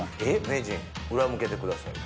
名人裏向けてください。